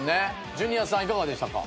ジュニアさんいかがでしたか？